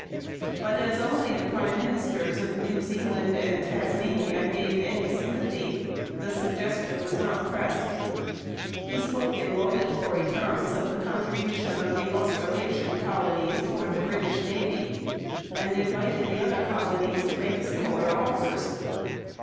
But, as only the prime ministers of New Zealand and Tasmania gave any sympathy, the suggestion was not pressed. He spoke in laudatory terms of the contribution of the Australasian colonies towards the British navy, and invited the other colonies to make similar offers.